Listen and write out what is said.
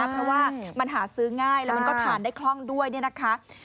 เพราะว่ามันหาซื้อง่ายแล้วมันก็ทานได้คล่องด้วยเนี่ยนะคะ